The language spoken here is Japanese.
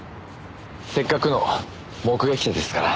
せっかくの目撃者ですから。